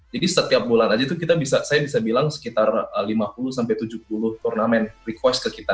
jadi setiap bulan aja itu kita bisa saya bisa bilang sekitar lima puluh sampai tujuh puluh turnamen request ke kita